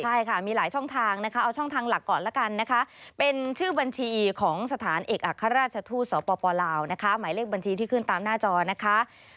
ใช่ค่ะมีหลายช่องทางนะคะเอาช่องทางหลักก่อนละกันนะคะเป็นชื่อบัญชีของสถานเอกอัครราชทูตสปลาวนะคะหมายเลขบัญชีที่ขึ้นตามหน้าจอนะคะ